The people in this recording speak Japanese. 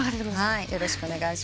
よろしくお願いします。